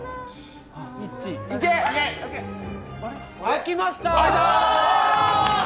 開きました。